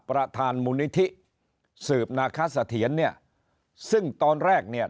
ประธานมูลนิธิสืบนาคสะเทียนเนี่ยซึ่งตอนแรกเนี่ย